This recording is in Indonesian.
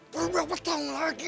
perubahan petang lagi